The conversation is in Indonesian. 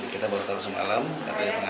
kita berhubungan dengan pemerintah